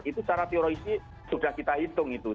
itu secara teori sudah kita hitung itu